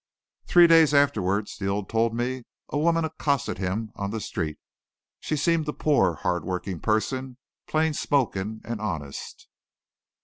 Three days afterward Steele told me a woman accosted him on the street. She seemed a poor, hardworking person, plain spoken and honest.